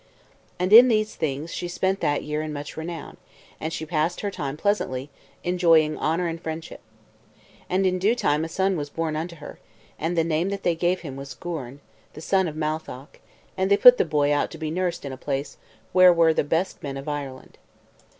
And in these things she spent that year in much renown, and she passed her time pleasantly, enjoying honor and friendship. And in due time a son was born unto her, and the name that they gave him was Gwern, the son of Matholch, and they put the boy out to be nursed in a place where were the best men of Ireland.